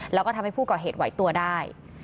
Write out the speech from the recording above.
แล้วก็ทำให้ผู้ก่อเหตุไหวตัวได้